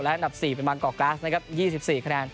และดับ๔เป็นมันกอกก๊าซนะครับ๒๔คะแนน